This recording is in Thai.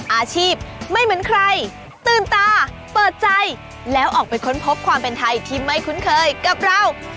อาชีพไม่เหมือนใครตื่นตาเปิดใจแล้วออกไปค้นพบความเป็นไทยที่ไม่คุ้นเคยกับเรา